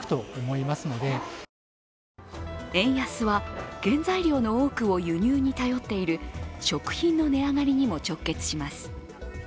円安は原材料の多くを輸入に頼っている食品の値上がりにも直結します。